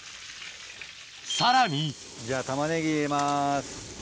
さらにじゃあ玉ねぎ入れます。